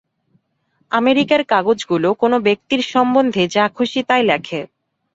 আমেরিকার কাগজগুলো কোন ব্যক্তির সম্বন্ধে যা খুশী তাই লেখে।